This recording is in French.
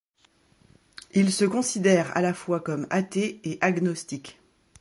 Il se considère à la fois comme athée et agnostique.